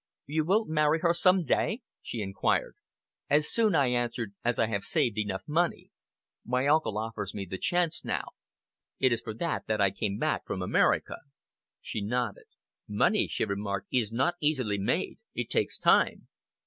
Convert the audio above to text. "You will marry her some day?" she inquired. "As soon," I answered, "as I have saved enough money. My uncle offers me the chance now. It is for that that I came back from America." She nodded. "Money," she remarked, "is not easily made. It takes time."